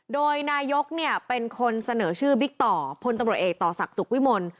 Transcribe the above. โดยนายกเป็นคนเสนอชื่อบิ๊กต่อพลตำรวจเอกต่อศักดิ์สุขวิมล